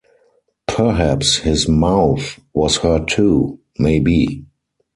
Perhaps his mouth was hurt too — maybe.